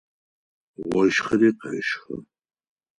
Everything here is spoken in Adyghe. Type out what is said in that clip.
Ощхыри къещхы.